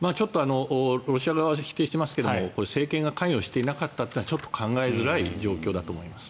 ロシア側は否定していますが政権が関与していなかったとは考えづらい状況だと思います。